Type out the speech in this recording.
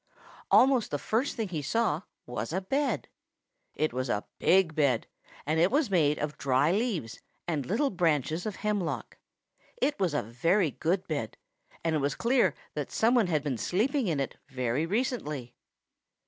Almost the first thing he saw was a bed. It was a big bed, and it was made of dry leaves and little branches of hemlock. It was a very good bed, and it was clear that some one had been sleeping in it very recently.